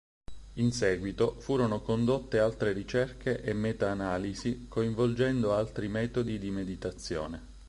In seguito furono condotte altre ricerche e meta analisi coinvolgendo altri metodi di meditazione.